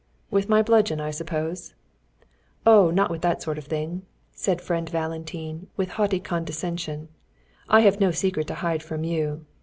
"With my bludgeon, I suppose?" "Oh, not with that sort of thing," said friend Valentine, with haughty condescension. "I have no secret to hide from you.